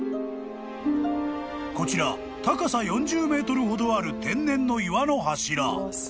［こちら高さ４０ｍほどある天然の岩の柱］